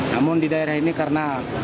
namun di daerah ini karena